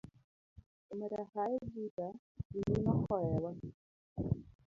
Omera hae buta wiyino hoewa.